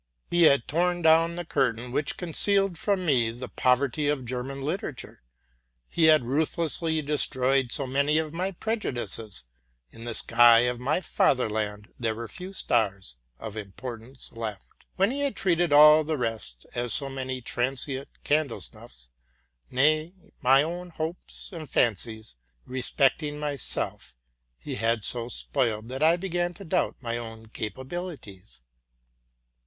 He had torn down the curtain which concealed from me the poverty of German literature ; lie had ruthlessly destroyed so many of my prejudices ; in the sky of my fatherland there were few stars of importance left, when he had treated all the rest as so many transient candle snuffs ; nay, my own hopes and fancies respecting inyself he lad so spoiled. that I began to doubt my own capabilities.